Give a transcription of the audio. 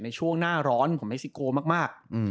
ในช่วงหน้าร้อนของเม็กซิโกมาก